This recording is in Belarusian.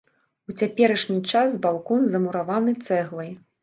У цяперашні час балкон замураваны цэглай.